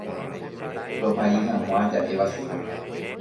tohai hag̃ua ja'éva chupe.